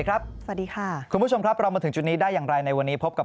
สวัสดีค่ะคุณผู้ชมครับเรามาถึงจุดนี้ได้อย่างไรในวันนี้พบกับ